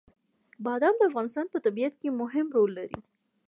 بادام د افغانستان په طبیعت کې مهم رول لري.